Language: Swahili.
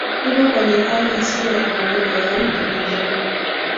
tuko kwenye hali isiyo ya kawaida yaani tumejaribu